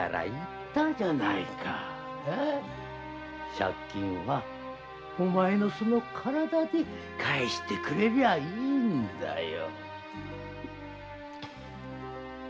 借金はお前のその体で返してくれりゃいいんだよ。